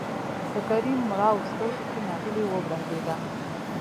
د کريم مړاوو سترګو کې نهيلي وبرېښېده.